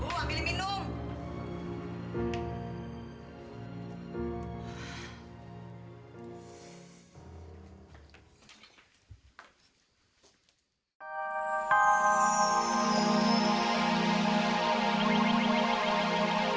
oh aku ingin minum